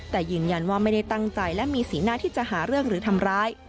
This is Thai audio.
แต่ยืนยันว่าไม่ได้ตั้งใจและมีสีหน้าที่จะหาเรื่องหรือทำร้าย